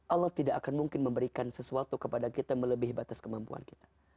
allah tidak akan mungkin memberikan sesuatu kepada kita melebihi batas kemampuan kita